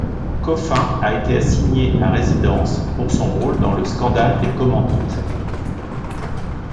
Coffin a été assigné à résidence pour son rôle dans le scandale des commandites.